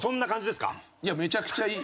いやめちゃくちゃいい。